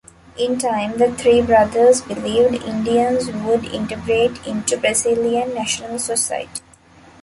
In time, the three brothers believed, Indians would integrate into Brazilian national society.